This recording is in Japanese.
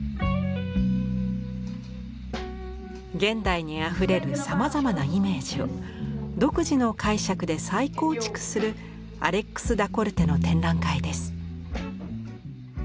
現代にあふれるさまざまなイメージを独自の解釈で再構築するアレックス・ダ・コルテの展覧会です。